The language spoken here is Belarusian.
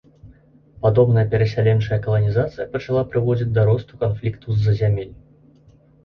Падобная перасяленчая каланізацыя пачала прыводзіць да росту канфліктаў з-за зямель.